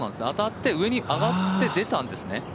当たって上に上がって、出たんですね。